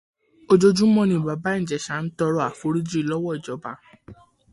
Ojojúmọ́ ni Bàbá Ìjẹ̀shà ń tọ̀rọ̀ àforíjì lọ́wọ́ ìjọba